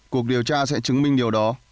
cuộc điều tra sẽ chứng minh điều đó